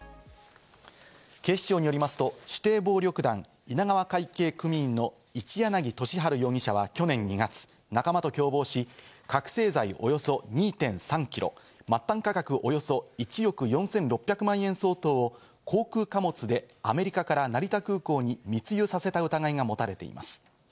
警視庁によりますと、指定暴力団・稲川会系組員の一柳敏春容疑者は去年２月、仲間と共謀し、覚せい剤およそ２．３キロ、末端価格およそ１億４６００万円相当を航空貨物でアメリカから成田空港に密輸させた疑いが持たれています。